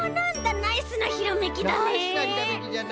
ナイスなひらめきじゃな！